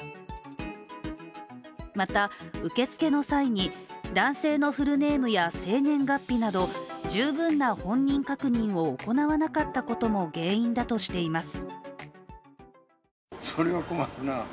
また、受付の際に、男性のフルネームや生年月日など十分な本人確認を行わなかったことも原因だとしています。